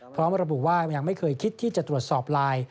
เพราะมรบุว่ามันยังไม่เคยคิดที่จะตรวจสอบราย